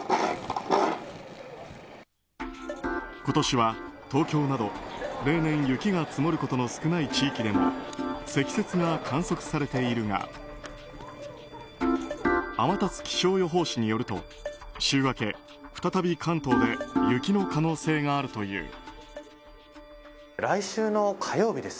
今年は、東京など例年雪が積もることの少ない地域でも積雪が観測されているが天達気象予報士によると週明け、再び関東で雪の可能性があるという。